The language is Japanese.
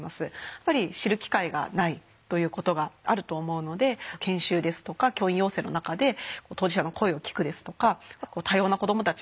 やっぱり知る機会がないということがあると思うので研修ですとか教員養成の中で当事者の声を聞くですとか「多様な子どもたちがいる。